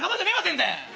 全然。